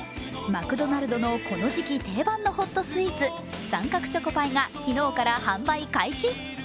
マクドナルドのこの時期定番のホットスイーツ、三角チョコパイが昨日から販売開始。